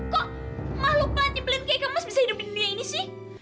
kok mahluk pelan yang belian kek emas bisa hidupin dia ini sih